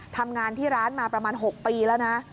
ทำงานที่ร้านมาประมาณ๖ปีแล้วนะ